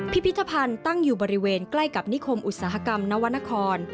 พิพิธภัณฑ์ตั้งอยู่บริเวณใกล้กับนิคมอุตสาหกรรมนวรรณคร